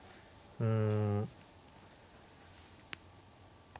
うん。